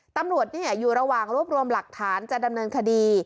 ตำรวจอยู่ระหว่างรวบรวมหลักฐานจะดำเนินคดี